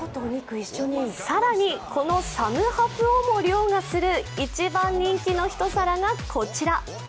更にこのサムハプをも凌駕する一番人気の一皿がこちら。